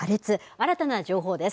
新たな情報です。